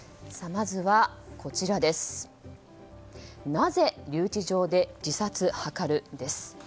まずは、なぜ？留置場で自殺図るです。